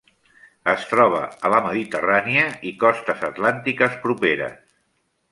Es troba a la Mediterrània i costes atlàntiques properes.